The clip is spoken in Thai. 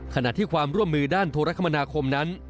ขณะที่ความร่วมมือด้านโทรคมนาคมนั้น